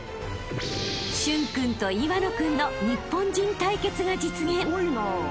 ［駿君と岩野君の日本人対決が実現］